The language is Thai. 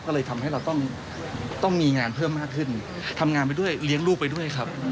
ก็เลยทำให้เราต้องมีงานเพิ่มมากขึ้นทำงานไปด้วยเลี้ยงลูกไปด้วยครับ